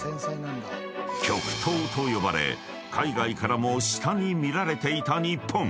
［極東と呼ばれ海外からも下に見られていた日本］